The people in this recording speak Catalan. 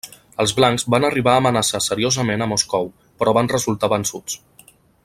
Els blancs van arribar a amenaçar seriosament a Moscou, però van resultar vençuts.